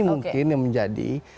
mungkin yang menjadi